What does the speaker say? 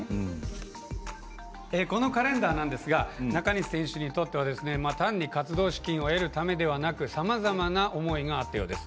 このカレンダーですが中西選手にとっては、単に活動資金を得るだけでなくさまざまな思いがあったようです。